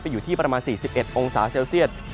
อยู่ที่ประมาณ๔๑องศาเซลเซียต